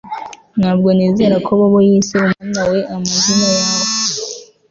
Ntabwo nizera ko Bobo yise umwana we amazina yawe